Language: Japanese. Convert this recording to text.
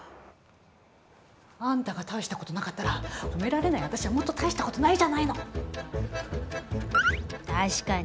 あんたが大したことなかったら褒められない私は、もっと大したことないじゃないのよ！